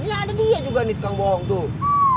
ya ada dia juga nih tukang bohong tuh